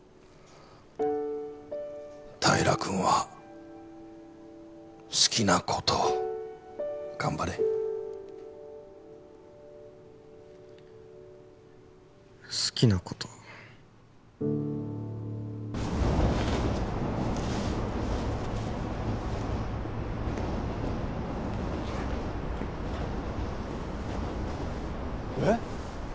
平君は好きなこと頑張れ好きなことえっ？